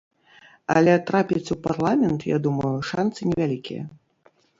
Але трапіць у парламент, я думаю, шанцы невялікія.